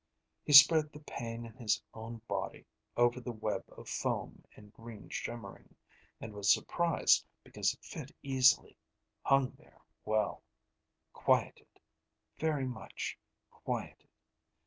He spread the pain in his own body over the web of foam and green shimmering, and was surprised because it fit easily, hung there well, quieted, very much quieted.